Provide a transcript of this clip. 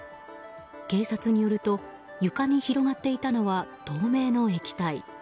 警察によると床に広がっていたのは透明の液体。